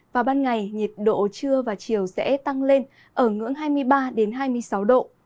và ban ngày nhiệt độ trưa và chiều sẽ tăng lên ở ngưỡng hai mươi ba hai mươi sáu độ